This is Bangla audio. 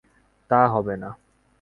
তা হবে না।